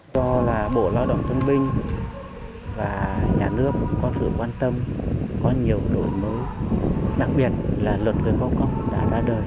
do là bộ lao động thương binh và nhà nước cũng có sự quan tâm có nhiều đổi mới đặc biệt là luật quyền công cộng đã ra đời